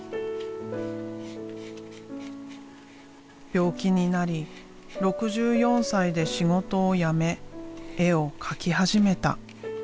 病気になり６４歳で仕事を辞め絵を描き始めた。